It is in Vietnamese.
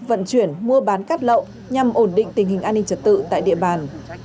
vận chuyển mua bán cát lậu nhằm ổn định tình hình an ninh trật tự tại địa bàn